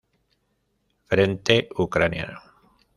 Frente Ucraniano.